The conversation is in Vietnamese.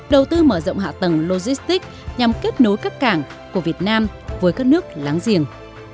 đầu tư mở rộng hạ tầng logistics nhằm kết nối các cảng của việt nam với các nước láng giềng